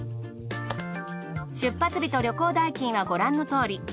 出発日と旅行代金はご覧のとおり。